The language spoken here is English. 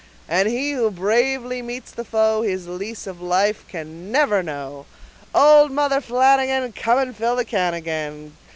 And he who bravely meets the foe His lease of life can never know. Old mother Flanagan Come and fill the can again!